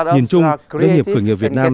nhìn chung doanh nghiệp khởi nghiệp việt nam